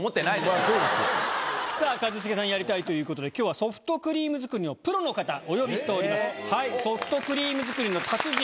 一茂さんやりたいということで今日はソフトクリーム作りのプロの方お呼びしております。